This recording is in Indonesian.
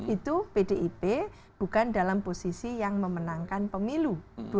itu pdip bukan dalam posisi yang memenangkan pemilu